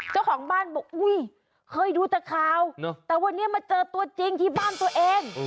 เจ้าของบ้านบอกอุ้ยเคยดูแต่ข่าวแต่วันนี้มาเจอตัวจริงที่บ้านตัวเอง